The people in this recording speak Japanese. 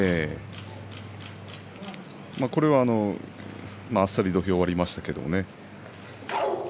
これはあっさり土俵を割りましたけどね。